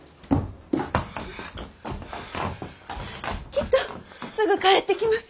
きっとすぐ帰ってきます。